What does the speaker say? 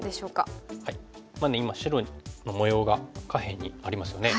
今白の模様が下辺にありますよね。